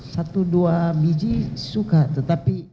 satu dua biji suka tetapi